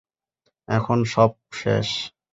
এখন সব শেষ।